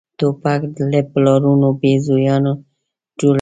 توپک له پلارونو بېزویان جوړوي.